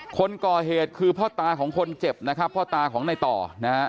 คนก่อเหตุคือพ่อตาของคนเจ็บนะครับพ่อตาของในต่อนะฮะ